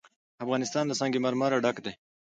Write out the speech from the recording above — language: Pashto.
افغانستان له سنگ مرمر ډک دی.